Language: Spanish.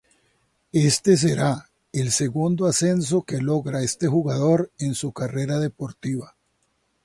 Este será el segundo ascenso que logra este jugador en su carrera deportiva.